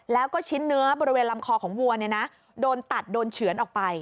แล้วก็ชิ้นเนื้อบริเวณลำคอของวัวโดนตัดโดนเฉือนออกไป